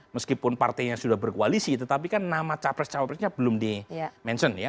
meskipun partainya sudah berkoalisi tetapi kan nama capres capresnya belum di mention ya